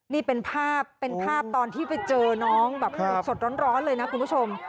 นี่เป็นภาพเป็นภาพตอนที่ไปเจอน้องแบบสดร้อนเลยนะคุณผู้ชม